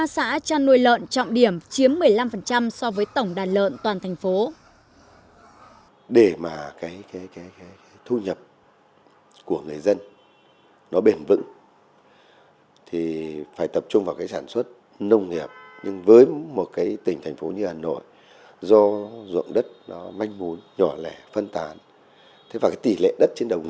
một mươi ba xã chăn nuôi lợn trọng điểm chiếm một mươi năm so với tổng đàn lợn toàn thành phố